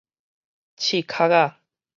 刺殼仔